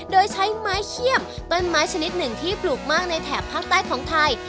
โดยใช้ไม้เขี้ยมต้นไม้ชนิดหนึ่งที่ปลูกมากในแถบภาคใต้ของไทย